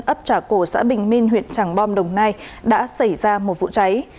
ấp trả cổ xã bình minh huyện trảng bom đồng nai đã xảy ra một vụ cháy